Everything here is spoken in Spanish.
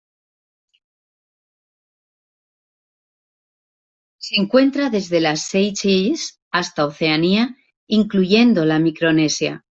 Se encuentra desde las Seychelles hasta Oceanía, incluyendo la Micronesia.